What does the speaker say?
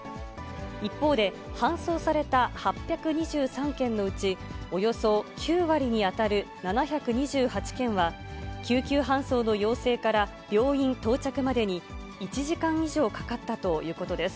一方で、搬送された８２３件のうち、およそ９割に当たる７２８件は、救急搬送の要請から病院到着までに、１時間以上かかったということです。